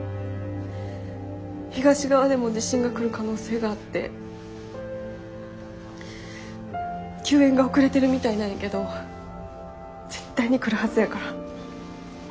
東側でも地震が来る可能性があって救援が遅れてるみたいなんやけど絶対に来るはずやからもうちょっとだけ頑張って。